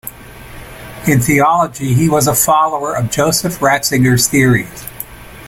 In theology he was a follower of Joseph Ratzinger's theories.